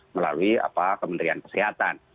melalui kementerian kesehatan